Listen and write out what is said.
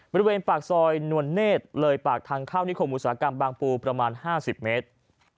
บริเวณปากซอยนวลเนธเลยปากทางเข้านิคมอุตสาหกรรมบางปูประมาณ๕๐เมตร